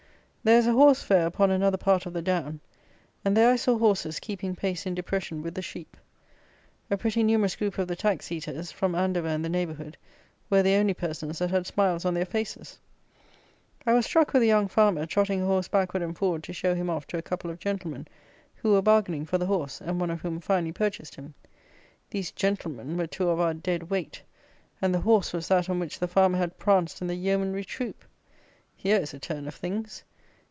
There is a horse fair upon another part of the down; and there I saw horses keeping pace in depression with the sheep. A pretty numerous group of the tax eaters, from Andover and the neighbourhood, were the only persons that had smiles on their faces. I was struck with a young farmer trotting a horse backward and forward to show him off to a couple of gentlemen, who were bargaining for the horse, and one of whom finally purchased him. These gentlemen were two of our "dead weight," and the horse was that on which the farmer had pranced in the Yeomanry Troop! Here is a turn of things!